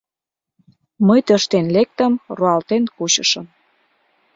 Мый тӧрштен лектым, руалтен кучышым.